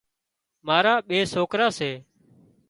مارا ٻي سوڪرا سي۔